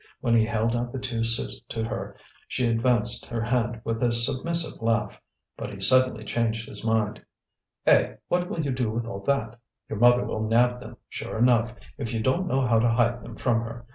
When he held out the two sous to her she advanced her hand with a submissive laugh. But he suddenly changed his mind. "Eh! what will you do with all that? Your mother will nab them, sure enough, if you don't know how to hide them from her.